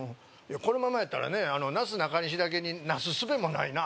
このままやったらねなすなかにしだけになすすべもないな